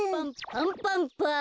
パンパンパン。